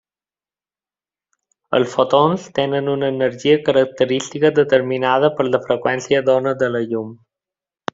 Els fotons tenen una energia característica determinada per la freqüència d’ona de la llum.